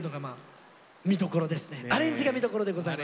アレンジが見どころでございます。